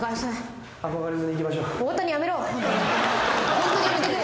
ホントにやめてくれ。